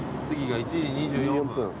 次が１時２４分。